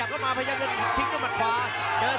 เข้ามาพยายามจะทิ้งด้วยมัดขวา